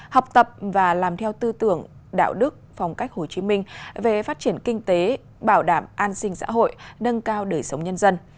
học tập và làm theo tư tưởng đạo đức phong cách hồ chí minh về phát triển kinh tế bảo đảm an sinh xã hội nâng cao đời sống nhân dân